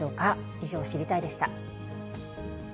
以上、知りたいッ！でした。